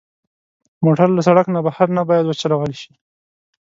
موټر له سړک نه بهر نه باید وچلول شي.